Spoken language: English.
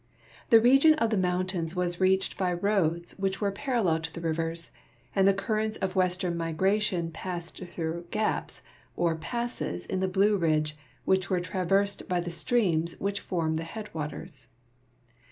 The region of the mountains was reached by roads which were ])arallel to the rivers, and the currents of western migration ])assed through "gaps " or passes in the Blue Ridge which were traversed by the streams which form the headwaters.